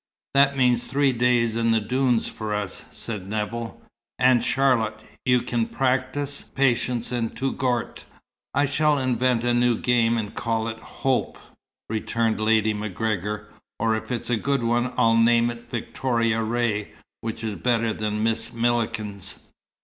"That means three days in the dunes for us!" said Nevill. "Aunt Charlotte, you can practice Patience, in Touggourt." "I shall invent a new game, and call it Hope," returned Lady MacGregor. "Or if it's a good one, I'll name it Victoria Ray, which is better than Miss Millikens.